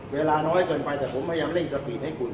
เวลาน้อยเกินไปแต่ผมพยายามเร่งสปีดให้คุณ